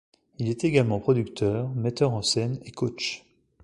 Il est également producteur, metteur en scène et coach.